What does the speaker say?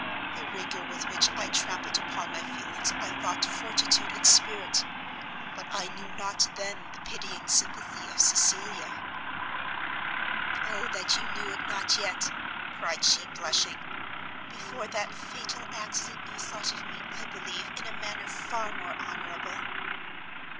The rigour with which I trampled upon my feelings I thought fortitude and spirit, but I knew not then the pitying sympathy of Cecilia!" "O that you knew it not yet!" cried she, blushing; "before that fatal accident you thought of me, I believe, in a manner far more honourable."